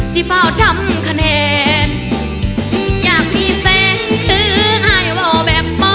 ที่เฝ้าทำขนาดอยากมีแฟนคืออายบ่แบบบ่